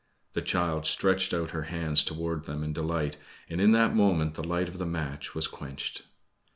The child stretched out her hands towards them in delight, and in that moment the light of the match was quenched.